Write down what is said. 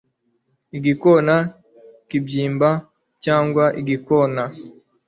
Igikona kibyimba cyangwa igikona